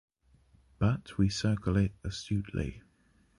but we circle it astutely.